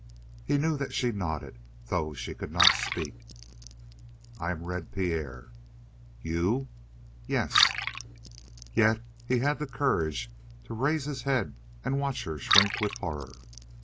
He knew that she nodded, though she could not speak. "I am Red Pierre." "You!" "Yes." Yet he had the courage to raise his head and watch her shrink with horror.